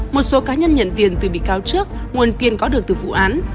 một số cá nhân nhận tiền từ bị cáo trước nguồn tiền có được từ vụ án